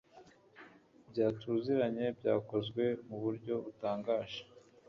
Bya tuziranye byakozwe mu buryo butangaje